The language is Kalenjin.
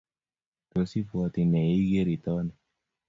ts ibwoti nee yeigeer itooni